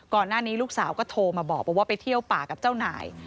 ก่อนหน้านี้ลูกสาวก็โทรมาบอกว่าไปเที่ยวป่ากับเจ้านาย